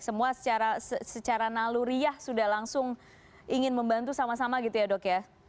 semua secara naluriah sudah langsung ingin membantu sama sama gitu ya dok ya